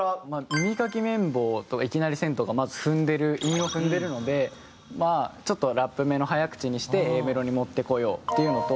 「耳かき綿棒」と「いきなり銭湯」がまず踏んでる韻を踏んでるのでまあちょっとラップめの早口にしてＡメロに持ってこようっていうのと。